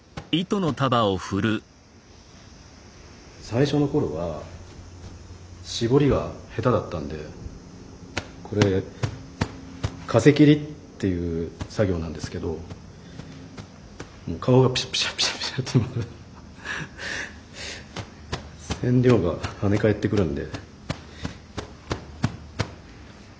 最初の頃は絞りが下手だったんでこれ「風切り」っていう作業なんですけどもう顔がピシャピシャピシャピシャって染料がはね返ってくるんで。